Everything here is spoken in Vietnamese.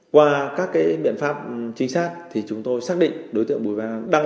qua các biện pháp chính xác thì chúng tôi xác định đối tượng bùi văn an